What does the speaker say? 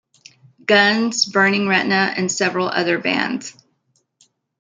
Guns, Burning Retna, and several other bands.